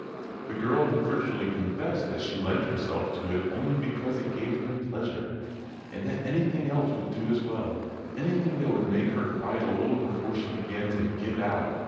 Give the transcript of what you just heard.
The girl had virtually confessed that she lent herself to it only because it gave him pleasure, and that anything else would do as well, anything that would make her quiet a little before she began to "give out."